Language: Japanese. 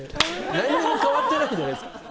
何も変わってないじゃないですか。